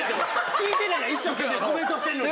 聞いてない一生懸命コメントしてるのに。